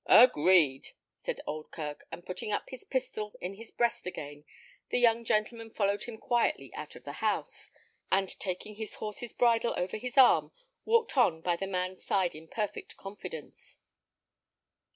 "Agreed," said Oldkirk. And putting up his pistol in his breast again, the young gentleman followed him quietly out of the house, and taking his horse's bridle over his arm, walked on by the man's side in perfect confidence.